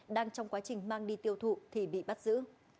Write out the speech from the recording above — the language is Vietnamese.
đang trong quá trình mang đi tiêu thụ thì bị bắt giữ